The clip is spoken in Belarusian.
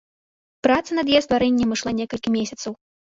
Праца над яе стварэннем ішла некалькі месяцаў.